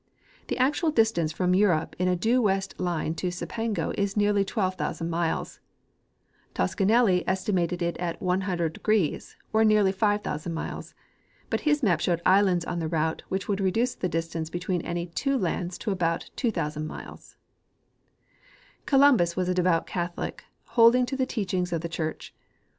The actual distance from Europe in a due west line to Cipango is nearly tAvelve thousand miles ; Toscanelli estimated it as 100° or nearly five thousand miles, but his map showed islands on the route which would reduce the distance between any two lands to about 2,000 miles/^ Columbus Avas a devout Catholic, holding to the teachings of the church.